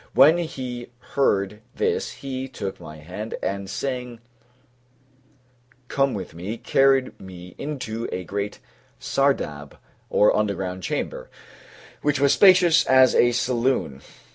When he heard this he took my hand, and saying "Come with me," carried me into a great Sardáb, or underground chamber, which was spacious as a saloon.